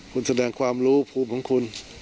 คุณแสดงความรู้ภูมิของคุณ